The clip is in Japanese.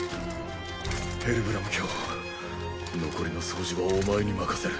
ヘルブラム卿残りの掃除はお前に任せる。